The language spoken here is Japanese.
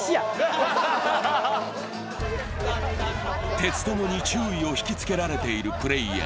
テツトモに注意を引きつけられているプレーヤー。